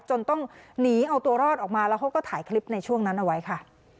จนต้องหนีเอาตัวรอดออกมาแล้วเขาก็ถ่ายคลิปในช่วงนั้นเอาไว้ค่ะ